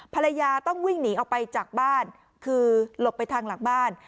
ภรรยาต้องวิ่งหนีออกไปจากบ้านคือหลบไปทางหลังบ้าน